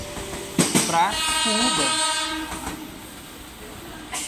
Pracuúba